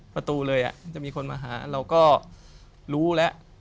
ประตูเลยจะมีคนมาหาเราก็รู้แล้ว